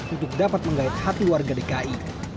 untuk dapat menggait hati warga dki